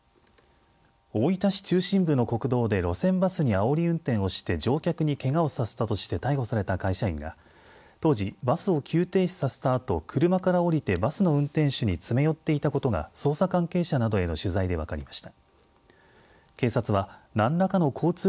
大分市中心部の国道で路線バスにあおり運転をして乗客にけがをさせたとして逮捕された会社員が当時、バスを急停止させたあと車から降りてバスの運転手に詰め寄っていたことが捜査関係者などへの取材で分かりました。